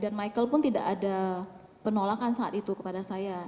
dan michael pun tidak ada penolakan saat itu kepada saya